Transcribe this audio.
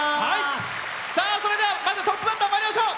それでは、まずトップバッターまいりましょう。